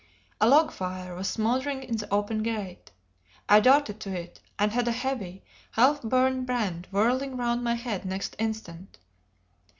A log fire was smouldering in the open grate. I darted to it, and had a heavy, half burned brand whirling round my head next instant.